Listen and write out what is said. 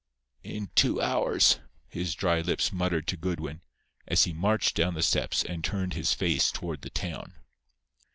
"In two hours," his dry lips muttered to Goodwin, as he marched down the steps and turned his face toward the town.